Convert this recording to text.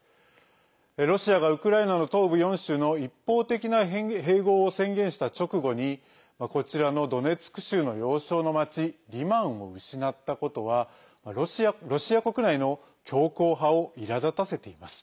ロシアがウクライナの東部４州の一方的な併合を宣言した直後にこちらのドネツク州の要衝の町リマンを失ったことはロシア国内の強硬派をいらだたせています。